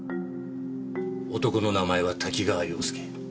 男の名前は多岐川洋介。